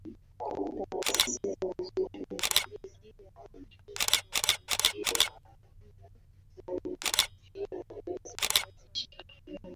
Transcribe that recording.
Taasisi zinazoshughulikia Uchumi wa Buluu na Uvuvi lazima zishirikiane